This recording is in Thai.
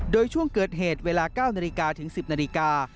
โดยช่วงเกิดเหตุเวลา๙๑๐นาฬิกา